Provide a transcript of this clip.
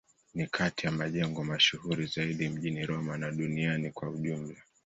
Ni kati ya majengo mashuhuri zaidi mjini Roma na duniani kwa ujumla.